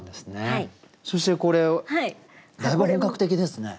そしてこれだいぶ本格的ですね。